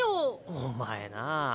お前なぁ。